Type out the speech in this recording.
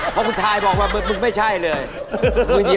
เพราะคุณทายบอกว่ามึงไม่ใช่เลย